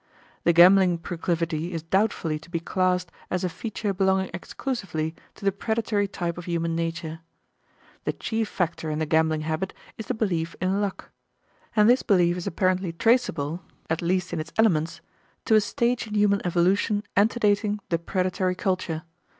The gambling proclivity is doubtfully to be classed as a feature belonging exclusively to the predatory type of human nature. The chief factor in the gambling habit is the belief in luck; and this belief is apparently traceable, at least in its elements, to a stage in human evolution antedating the predatory culture.